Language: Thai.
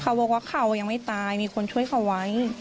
เขาบอกว่าเขายังไม่ตายมีคนช่วยเขาไว้